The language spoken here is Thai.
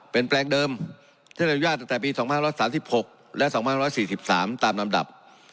เป็นแปลงเดิมท่านอนุญาตตั้งแต่ปี๒๕๓๖และ๒๑๔๓ตามลำดับ